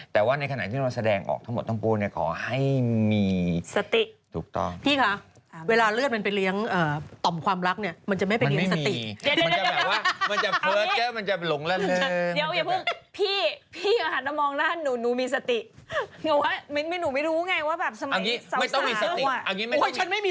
แต่ว่าในขณะที่เรามันแสดงออกทั้งหมดทั้งหมดเนี่ยขอให้มี